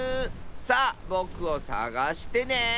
さあぼくをさがしてねえ！